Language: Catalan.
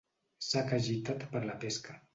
Sac agitat per la pesca.